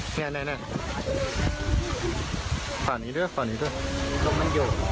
สวัสดีค่ะ